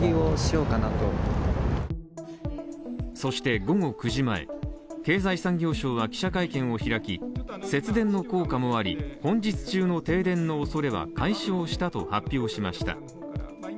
そして午後９時前、経済産業省は記者会見を開き節電の効果もあり、本日中の停電のおそれは解消したと発表しました。